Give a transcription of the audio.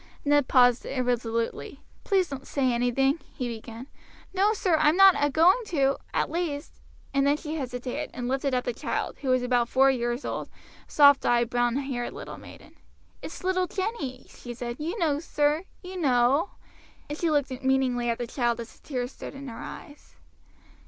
Ned paused irresolutely. "Please don't say anything," he began. "No, sir, I am not a going to at least " and then she hesitated, and lifted up the child, who was about four years old, a soft eyed, brown haired little maiden. "It's little Jenny," she said; "you know sir, you know;" and she looked meaningly at the child as the tears stood in her eyes.